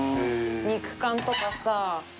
肉感とかさ。